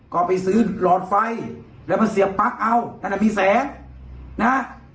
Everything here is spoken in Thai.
ก็ไปซื้อหลอดไฟแล้วมันเสียปั๊กเอาแล้วมันมีแสงนะ